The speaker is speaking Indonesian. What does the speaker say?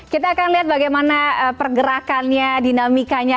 kita akan lihat bagaimana pergerakannya dinamikanya